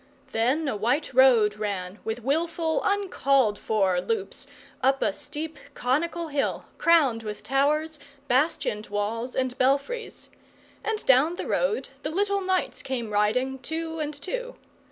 Then a white road ran, with wilful, uncalled for loops, up a steep, conical hill, crowned with towers, bastioned walls, and belfries; and down the road the little knights came riding, two and two.